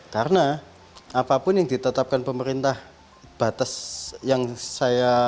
karena apapun yang ditetapkan pemerintah batas yang saya